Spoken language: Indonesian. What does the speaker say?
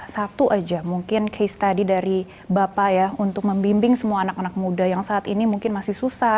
satu aja mungkin case tadi dari bapak ya untuk membimbing semua anak anak muda yang saat ini mungkin masih susah